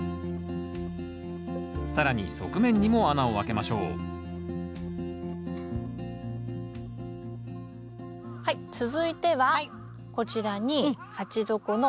更に側面にも穴をあけましょうはい続いてはこちらに鉢底の石を入れます。